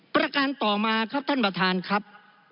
ประการต่อมาครับท่านประธานครับ